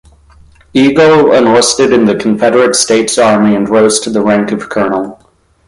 Eagle enlisted in the Confederate States Army and rose to the rank of Colonel.